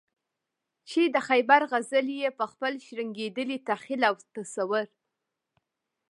چې د خیبر غزل یې په خپل شرنګېدلي تخیل او تصور.